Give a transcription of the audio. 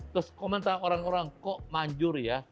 terus komentar orang orang kok manjur ya